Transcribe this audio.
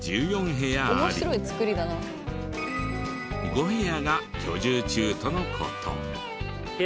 ５部屋が居住中との事。